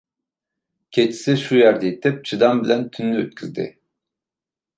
كېچىسى شۇ يەردە يېتىپ چىدام بىلەن تۈننى ئۆتكۈزدى.